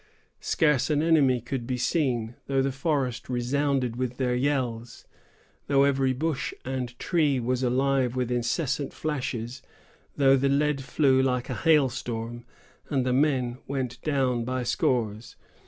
Scarce an enemy could be seen, though the forest resounded with their yells; though every bush and tree was alive with incessant flashes; though the lead flew like a hailstorm, and the men went down by scores.